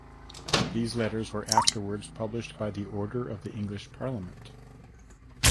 These letters were afterwards published by the order of the English Parliament.